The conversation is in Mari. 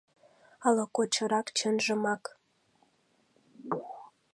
Ала кочырак чынжымак